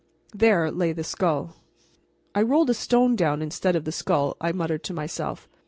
There lay the skull. "I rolled a stone down instead of the skull," I muttered to myself.